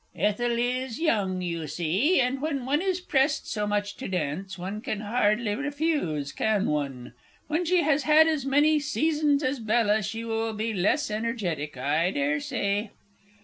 Ethel is young, you see, and, when one is pressed so much to dance, one can hardly refuse, can one? When she has had as many seasons as BELLA, she will be less energetic, I dare say.